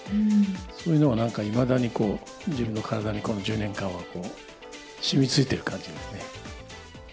そういうのはなんかいまだに、自分の体に、この１０年間は染みついてる感じですね。